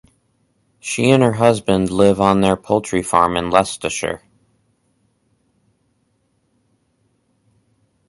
She and her husband live on their poultry farm in Leicestershire.